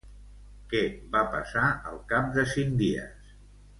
Què va passar al cap de cinc dies?